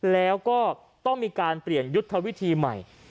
แล้วก็ต้องมีการเปลี่ยนยุทธวิธีใหม่